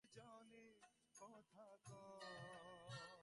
বিশেষত দুর্গপ্রাকারের গাঁথুনি সম্বন্ধে তাঁহাকে সবিশেষ পরিশ্রম করিতে হইল।